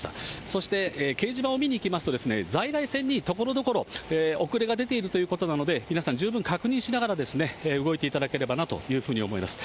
そして、掲示板を見に行きますと、在来線にところどころ遅れが出ているということなので、皆さん、十分確認しながら動いていただければなというふうに思います。